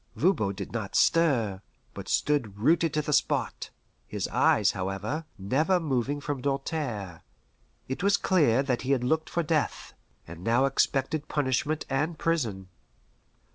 Voban did not stir, but stood rooted to the spot, his eyes, however, never moving from Doltaire. It was clear that he had looked for death, and now expected punishment and prison.